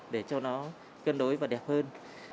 để cho nó cân đối và đẹp hơn